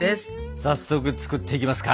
早速作っていきますか！